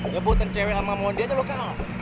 jebutan cewek sama monty aja lo kalah